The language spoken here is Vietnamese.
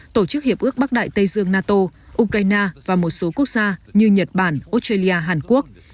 tổ chức hiệp ước bắc đại tây dương nato ukraine và một số quốc gia như nhật bản australia hàn quốc